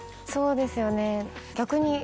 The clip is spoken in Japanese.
そうですよね逆に。